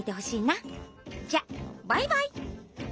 じゃバイバイ。